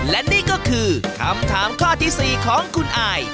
และนี่ก็คือคำถามข้อที่๔ของคุณอาย